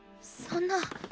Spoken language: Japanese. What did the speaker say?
そんな。